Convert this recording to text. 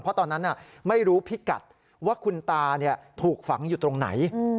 เพราะตอนนั้นไม่รู้พิกัดว่าคุณตาถูกฝังอยู่ตรงไหน